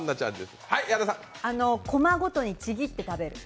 コマごとにちぎって食べる。